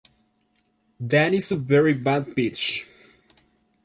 That is a very bad pitch.